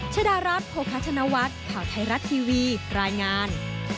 ชดารัฐโภคธนวัฒน์ข่าวไทยรัฐทีวีรายงาน